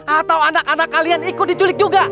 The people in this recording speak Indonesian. atau anak anak kalian ikut diculik juga